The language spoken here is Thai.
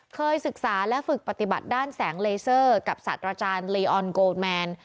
เคยศึกษาและฝึกปฏิบัติด้านแสงเลเซอร์กับสัตว์อาจารย์ลีออนโกแมน